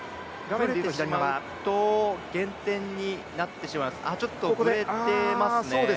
ぶれてしまうと、減点になってしまいます、ちょっと触れてますね。